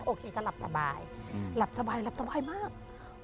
โอเคจะหลับสบายหลับสบายหลับสบายมาก